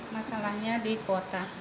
masalahnya di kuota